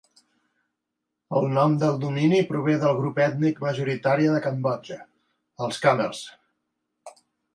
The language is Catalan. El nom del domini prové del grup ètnic majoritari de Cambodja, els khmers.